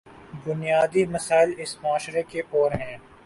بنیادی مسائل اس معاشرے کے اور ہیں۔